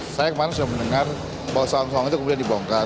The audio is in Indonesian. saya kemarin sudah mendengar bahwa sawang sawang itu kemudian dibongkar